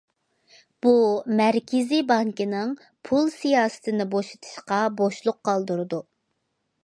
بۇ مەركىزىي بانكىنىڭ پۇل سىياسىتىنى بوشىتىشقا بوشلۇق قالدۇرىدۇ.